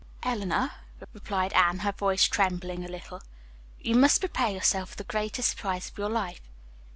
"Eleanor," replied Anne, her voice trembling a little, "you must prepare yourself for the greatest surprise of your life.